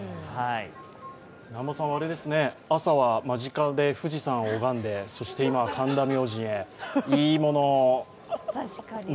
南波さんは朝は間近で富士山を拝んで、そして今は神田明神へ、いいものをね。